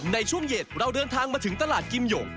ในช่วงเย็นเราเดินทางมาถึงตลาดกิมหยก